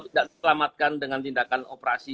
tidak diselamatkan dengan tindakan operasi